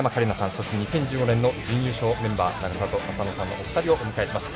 そして、２０１５年の順優勝メンバー永里亜紗乃さんのお二人をお迎えしました。